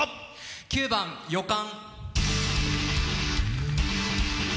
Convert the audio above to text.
９番「予感」。